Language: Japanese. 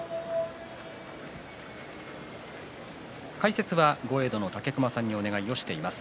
解説は豪栄道の武隈さんにお願いしています。